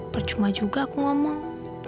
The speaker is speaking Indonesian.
percuma juga aku ngomong